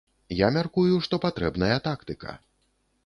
Я мяркую, што патрэбная тактыка.